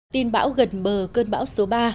tin bão gần bờ cơn bão số ba